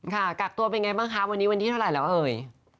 ค่ะกากตัวเป็นไงบ้างคะวันนี้เท่าไหร่แล้วเอ่ย